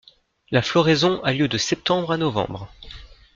La floraison a lieu de septembre à novembre.